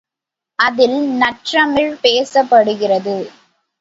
அதில் நற்றமிழ் பேசப்படுகிறது.